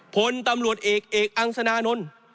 พลตำรวจเอกเอกอังสนานนท์